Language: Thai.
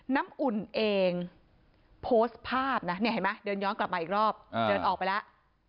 น้ำอุ่นเองโพสต์ภาพนะเนี่ยเห็นไหมเดินย้อนกลับมาอีกรอบเดินออกไปแล้ว